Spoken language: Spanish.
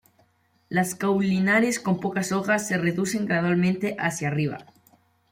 Las caulinares con pocas hojas, se reducen gradualmente hacia arriba.